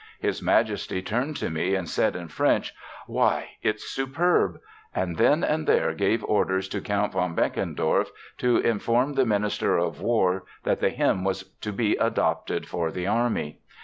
His Majesty turned to me and said in French: 'Why, it's superb!' and then and there gave orders to Count von Benkendorf to inform the Minister of War that the hymn was to be adopted for the army.